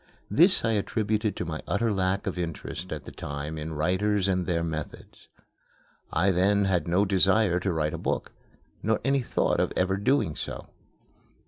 This I attribute to my utter lack of interest at that time in writers and their methods. I then had no desire to write a book, nor any thought of ever doing so.